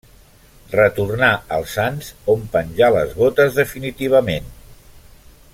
Retornà al Sants on penjà les botes definitivament.